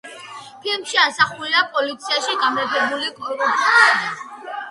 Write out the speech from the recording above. ფილმში ასახულია პოლიციაში გამეფებული კორუფცია.